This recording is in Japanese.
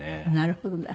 なるほどね。